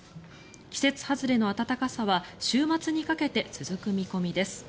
季節外れの暖かさは週末にかけて続く見込みです。